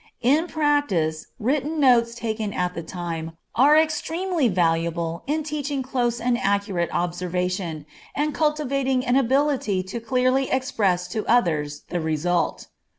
In practice, written notes taken at the time, are extremely valuable in teaching close and accurate observation, and cultivating an ability to clearly express to others the result.